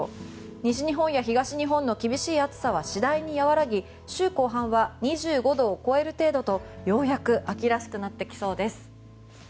西日本や東日本の厳しい暑さは次第にやわらぎ週後半は２５度を超える程度とようやく秋らしくなってきそうです。